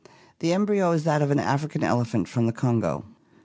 The embryo is that of an African elephant from the Kongo.